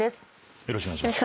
よろしくお願いします。